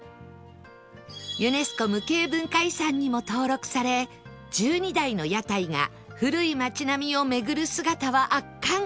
ユネスコ無形文化遺産にも登録され１２台の屋台が古い町並を巡る姿は圧巻！